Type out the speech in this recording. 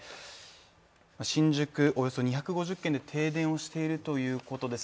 およそ２５０軒で停電をしているということです。